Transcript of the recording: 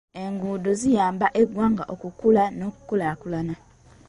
Enguuddo ziyamba eggwanga okukula n'okukulaakulana.